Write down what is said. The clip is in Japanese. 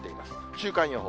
週間予報。